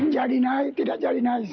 jadi naik tidak jadi naik saya tidak